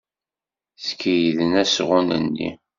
Skeyden asɣun-nni.